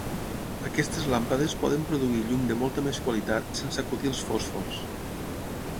Aquestes làmpades poden produir llum de molta més qualitat sense acudir als fòsfors.